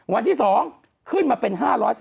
วันที่๒ขึ้นมาเป็น๕๔